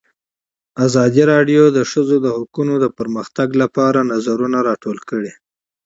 ازادي راډیو د د ښځو حقونه د ارتقا لپاره نظرونه راټول کړي.